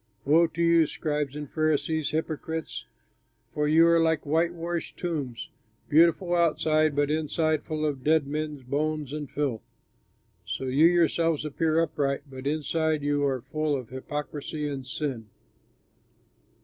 "Woe to you, scribes and Pharisees, hypocrites! For you are like whitewashed tombs, beautiful outside, but inside full of dead men's bones and filth. So you yourselves appear upright, but inside you are full of hypocrisy and sin."